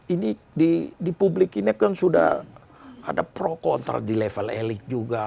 ini di publik ini kan sudah ada pro kontra di level elit juga